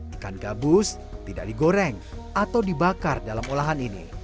ikan gabus tidak digoreng atau dibakar dalam olahan ini